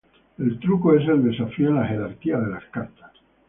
El truco es el desafío en la jerarquía de las cartas.